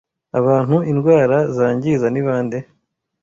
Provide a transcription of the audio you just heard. abantu indwara zangiza ni bande